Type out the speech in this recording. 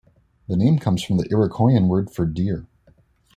The name comes from the Iroquoian word for 'deer'.